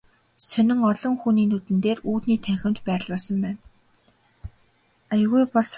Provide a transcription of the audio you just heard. Сонин олон хүний нүдэн дээр үүдний танхимд байрлуулсан байна.